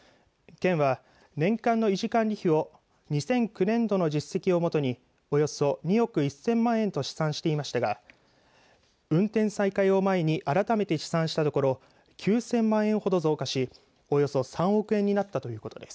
県は、年間の維持管理費を２００９年度の実績を基におよそ２億１０００万円と試算していましたが運転再開を前に改めて試算したところ９０００万円ほど増加しおよそ３億円になったということです。